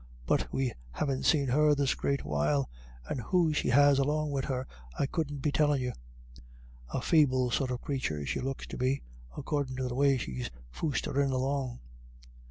But we haven't seen her this great while, and who she has along wid her I couldn't be tellin' you. A feeble sort of crathur she looks to be, accordin' to the way she's foostherin' along."